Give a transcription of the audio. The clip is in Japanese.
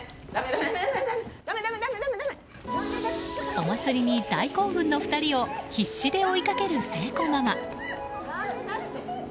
お祭りに大興奮の２人を必死で追いかける青子ママ。